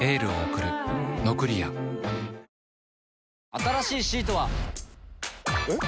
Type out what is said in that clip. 新しいシートは。えっ？